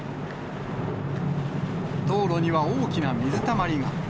道路には大きな水たまりが。